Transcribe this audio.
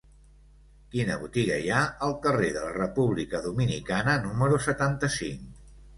Quina botiga hi ha al carrer de la República Dominicana número setanta-cinc?